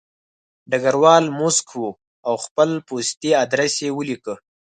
ډګروال موسک و او خپل پستي ادرس یې ولیکه